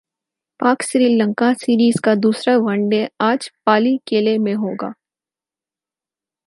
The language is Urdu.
پاک سری لنکا سیریز کا دوسرا ون ڈے اج پالی کیلے میں ہوگا